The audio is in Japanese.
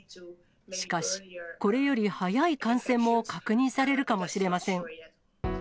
しかし、これより早い感染も確認されるかもしれません。